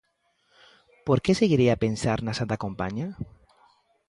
Por que seguirei a pensar na Santa Compaña?